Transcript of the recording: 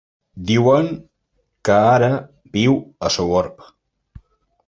Diuen que ara viu a Sogorb.